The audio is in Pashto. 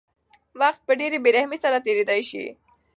وخت په ډېرې بېرحمۍ سره تېرېدلی شي.